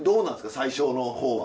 最初の方は。